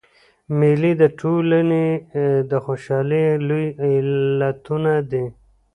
مېلې د ټولني د خوشحالۍ لوی علتونه دي.